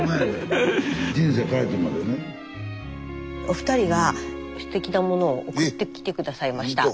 お二人がすてきなものを送ってきて下さいました。